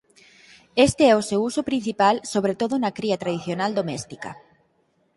Este é o seu uso principal sobre todo na cría tradicional doméstica.